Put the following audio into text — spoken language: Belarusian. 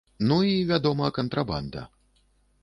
Ну і, вядома, кантрабанда.